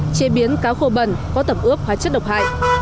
chế biến cá khô bẩn có tẩm ướp hóa chất độc hại